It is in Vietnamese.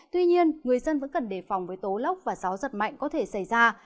tuy nhiên người dân vẫn cần đề phòng với tố lốc và gió giật mạnh có thể xảy ra